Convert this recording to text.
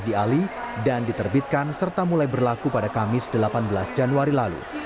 dan diterbitkan serta mulai berlaku pada kamis delapan belas januari lalu